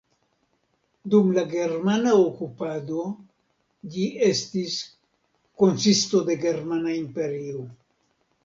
Dum la germana okupado ĝi estis konsisto de Germana imperio.